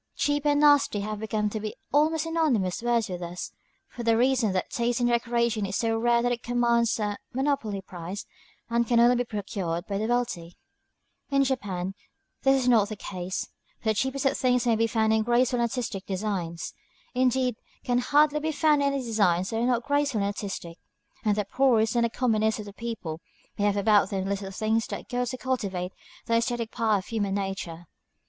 "Cheap" and "nasty" have come to be almost synonymous words with us, for the reason that taste in decoration is so rare that it commands a monopoly price, and can only be procured by the wealthy. In Japan this is not the case, for the cheapest of things may be found in graceful and artistic designs, indeed can hardly be found in any designs that are not graceful and artistic; and the poorest and commonest of the people may have about them the little things that go to cultivate the æsthetic part of human nature.